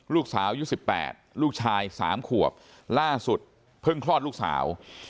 ลูกสาวอยู่สิบแปดลูกชายสามขวบล่าสุดเพิ่งคลอดลูกสาว